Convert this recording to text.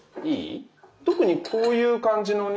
特にこういう感じのね